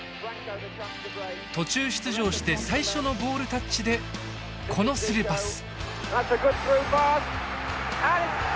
途中出場して最初のボールタッチでこのスルーパス。